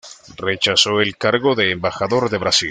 Rechazó el cargo de embajador en Brasil.